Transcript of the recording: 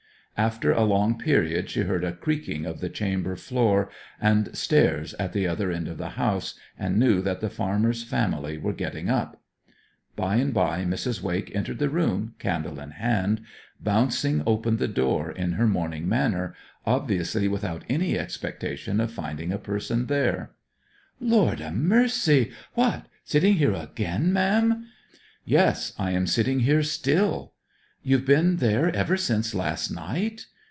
After a long period she heard a creaking of the chamber floor and stairs at the other end of the house, and knew that the farmer's family were getting up. By and by Mrs. Wake entered the room, candle in hand, bouncing open the door in her morning manner, obviously without any expectation of finding a person there. 'Lord a mercy! What, sitting here again, ma'am?' 'Yes, I am sitting here still.' 'You've been there ever since last night?'